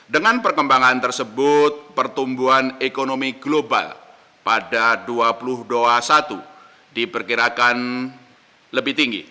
dengan perkembangan tersebut pertumbuhan ekonomi global pada dua ribu dua puluh satu diperkirakan lebih tinggi